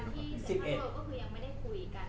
เขายังอยากชิดหลืนกระบวนการต่อ